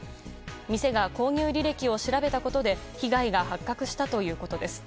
店が、購入履歴を調べたことで被害が発覚したということです。